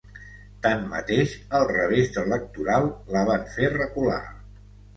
Tanmateix, el revés electoral la van fer recular.